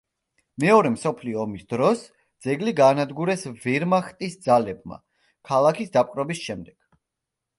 მეორე მსოფლიო ომის დროს ძეგლი გაანადგურეს ვერმახტის ძალებმა ქალაქის დაპყრობის შემდეგ.